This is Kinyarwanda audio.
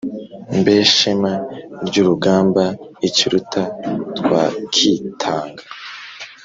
mbe shema ryurugamba ikiruta twakitanga?"